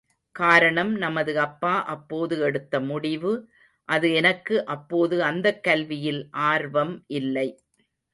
காரணம் நமது அப்பா அப்போது எடுத்த முடிவு அது எனக்கு அப்போது அந்தக் கல்வியில் ஆர்வம் இல்லை.